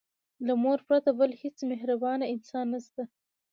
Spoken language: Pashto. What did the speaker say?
له مور پرته بل هيڅ مهربانه انسان نسته.